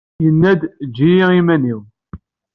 Yenna-d: Ejj-iyi i yiman-inu!